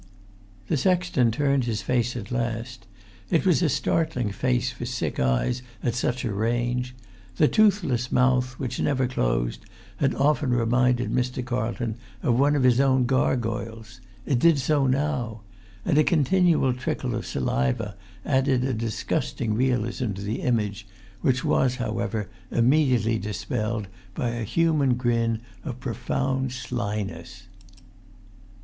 The sexton turned his face at last. It was a startling face for sick eyes at such a range. The toothless mouth, which never closed, had often reminded Mr. Carlton of one of his own gargoyles. It[Pg 221] did so now. And a continual trickle of saliva added a disgusting realism to the image, which was, however, immediately dispelled by a human grin of profound slyness.